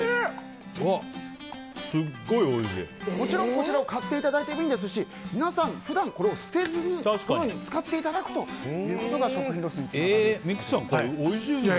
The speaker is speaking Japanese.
こちらを買っていただいてもいいですし皆さん、普段これを捨てずにこのように使っていただくということが食品ロス削減につながるということです。